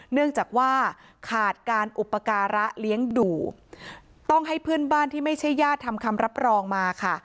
เนื่องจากว่าขาดการอุปการะเลี้ยงดูต้องให้เพื่อนบ้านที่ไม่ใช่ญาติทำคำรับรองมาค่ะ